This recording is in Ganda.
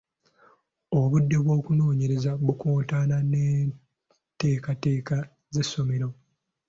Obudde bw’okunoonyereza bukontana n’enteekateeka z’essomero.